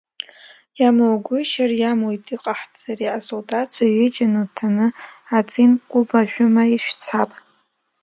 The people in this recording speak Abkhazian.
Иамугәышьар, иамуит, иҟаҳҵари, асолдаҭцәа ҩыџьа нуҭаны ацинк кәыба шәыма шәцап.